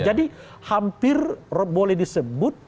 jadi hampir boleh disebut